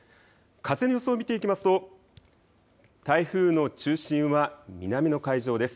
風の予想を見ていきますと、台風の中心は南の海上です。